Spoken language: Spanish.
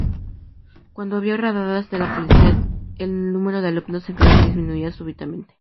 Cuando había redadas de la policía el número de alumnos en clase disminuía súbitamente.